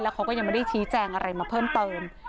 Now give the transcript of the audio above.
เขาก็ยังไม่ได้ชี้แจงอะไรมาเพิ่มเติม